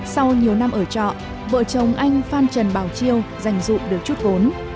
sau nhiều năm ở trọ vợ chồng anh phan trần bảo chiêu giành dụng được chút gốn